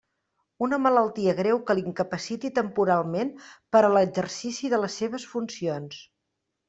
Una malaltia greu que l'incapaciti temporalment per a l'exercici de les seves funcions.